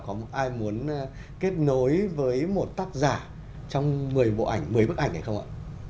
có ai muốn kết nối với một tác giả trong một mươi bộ ảnh một mươi bức ảnh này không ạ